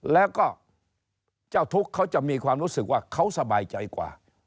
แล้วก็เจ้าทุกข์เขาจะมีความรู้สึกว่าเขาสบายใจกว่า